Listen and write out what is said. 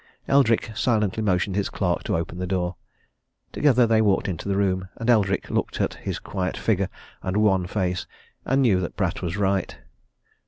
Eldrick silently motioned his clerk to open the door; together they walked into the room. And Eldrick looked at his quiet figure and wan face, and knew that Pratt was right.